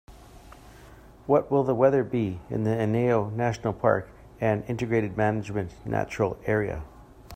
What will the weather be in the Iñao National Park and Integrated Management Natural Area?